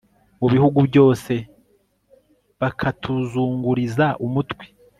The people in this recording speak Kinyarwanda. mu bihugu byose bakatuzunguriza umutwe